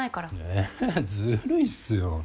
えぇずるいっすよ。